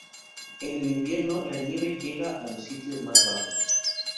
En el invierno, la nieve llega a los sitios más bajos.